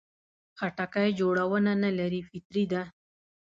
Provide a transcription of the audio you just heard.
خټکی جوړونه نه لري، فطري ده.